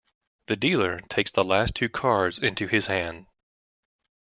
The dealer takes the last two cards into his hand.